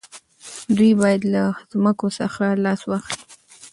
دوی باید له ځمکو څخه لاس واخلي.